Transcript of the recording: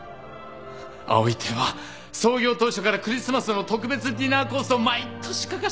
葵亭は創業当初からクリスマスの特別ディナーコースを毎年欠かしたことはないんだ。